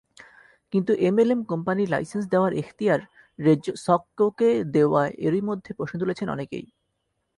কিন্তু, এমএলএম কোম্পানির লাইসেন্স দেওয়ার এখতিয়ার রেজসকোকে দেওয়ায় এরই মধ্যে প্রশ্ন তুলেছেন অনেকেই।